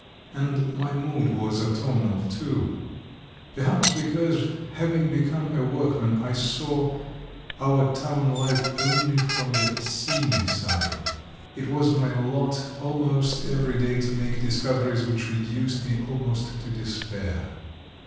And my mood was autumnal too. Perhaps because, having become a workman, I saw our town life only from the seamy side, it was my lot almost every day to make discoveries which reduced me almost to despair.